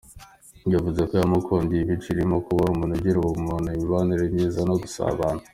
Yavuze ko yamukundiye imico irimo kuba ari ‘umuntu ugira ubumuntu, imibanire myiza no gusabana’.